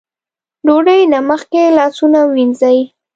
ډوډۍ نه مخکې لاسونه ووينځئ ـ